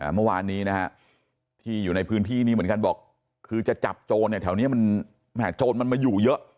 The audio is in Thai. เมื่อวานนี้นะฮะที่อยู่ในพื้นที่นี้เหมือนกันบอกคือจะจับโจรเนี่ยแถวนี้มันโจรมันมาอยู่เยอะ